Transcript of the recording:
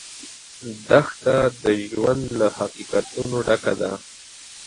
دښته د ژوند له حقیقتونو ډکه ده.